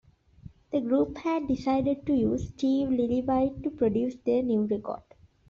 The group had decided to use Steve Lillywhite to produce their new record.